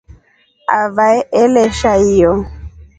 Avae alesha hiyo.